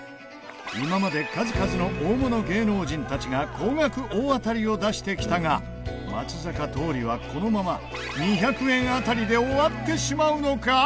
今まで数々の大物芸能人たちが高額大当たりを出してきたが松坂桃李はこのまま２００円当たりで終わってしまうのか？